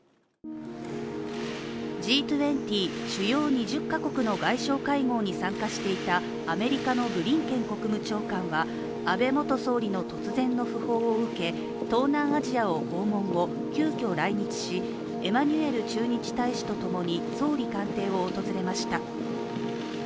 Ｇ２０＝主要２０カ国の外相会合に出席していたアメリカのブリンケン国務長官は、安倍元総理の突然の訃報を受け東南アジアを訪問後、急きょ来日しエマニュエル駐日大使とともに総理官邸を訪れました。